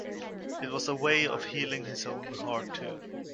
It was a way of healing his own heart too.